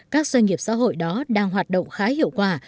các doanh nghiệp xã hội đó đang hoạt động khá hiệu quả